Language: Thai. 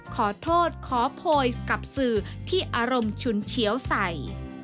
ขอโทษขอโพยกับสื่อที่อารมณ์ชุนเฉียวใส่